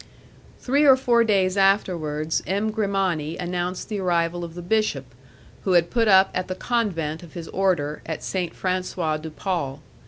Three or four days afterwards M. Grimani announced the arrival of the bishop, who had put up at the convent of his order, at Saint Francois de Paul.